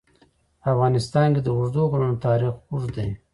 په افغانستان کې د اوږده غرونه تاریخ اوږد دی.